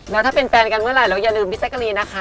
แล้วถ้าเป็นแฟนกันเมื่อไหร่แล้วอย่าลืมพี่แจ๊กกะรีนนะคะ